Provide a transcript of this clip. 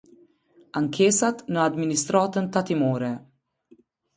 Ankesat në Administratën Tatimore.